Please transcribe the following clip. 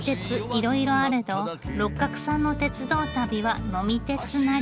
いろいろあれど六角さんの鉄道旅は呑み鉄なり。